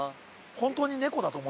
本当に猫だと？